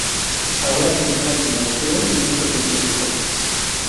Ahora funciona como museo y centro científico.